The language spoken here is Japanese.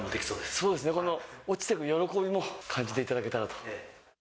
そうですね、この落ちてく喜びも感じていただけたらと。